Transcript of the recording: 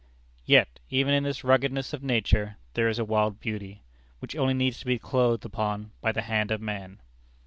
Yet, even in this ruggedness of nature, there is a wild beauty, which only needs to be "clothed upon" by the hand of man.